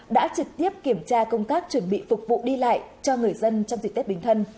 đã trực tiếp kiểm tra công tác chuẩn bị phục vụ đi lại cho người dân trong dịp tết bình thân